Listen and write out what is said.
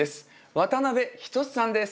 渡辺均さんです。